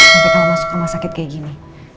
sampai kamu masuk rumah sakit kayak gini